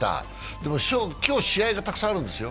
でも今日、試合がたくさんあるんですよ。